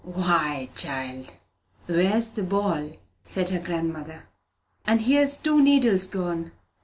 "Why, child, where's the ball?" said her grandmother. "And here's two needles gone!"